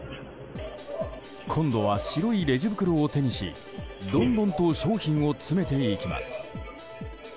今度は白いレジ袋を手にしどんどんと商品を詰めていきます。